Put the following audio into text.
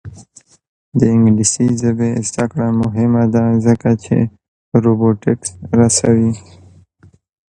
د انګلیسي ژبې زده کړه مهمه ده ځکه چې روبوټکس رسوي.